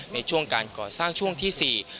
ในช่วงการก่อสร้างช่วงที่๔